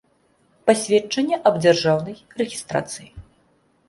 Пасведчанне аб дзяржаўнай рэгiстрацыi.